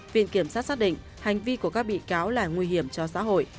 viện kiểm sát xác định hành vi của các bị cáo là nguy hiểm cho xã hội